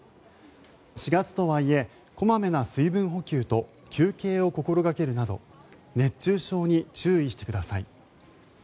４月とはいえ小まめな水分補給と休憩を心掛けるなど熱中症に注意してください。